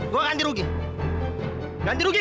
gue ganti rugi ganti rugi